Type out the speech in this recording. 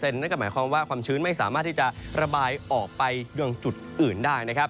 นั่นก็หมายความว่าความชื้นไม่สามารถที่จะระบายออกไปยังจุดอื่นได้นะครับ